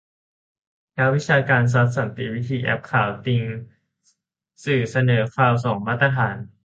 นักวิชาการซัด สันติวิธี-แอ๊บขาว ติงสื่อเสนอข่าวสองมาตรฐาน